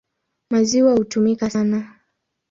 Maziwa hutumika sana.